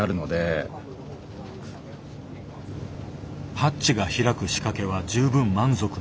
ハッチが開く仕掛けは十分満足のいく出来。